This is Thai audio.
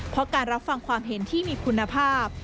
เพราะการรับฟังความเห็นที่มีคุณภาพ